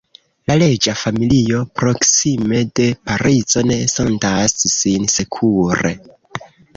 La reĝa familio, proksime de Parizo, ne sentas sin sekure.